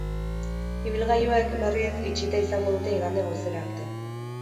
Ibilgailuek, berriz, itxita izango dute igande goizera arte.